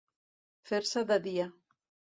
Fer-se de dia.